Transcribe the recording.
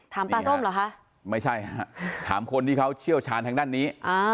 ถามปลาส้มเหรอคะไม่ใช่ฮะถามคนที่เขาเชี่ยวชาญทางด้านนี้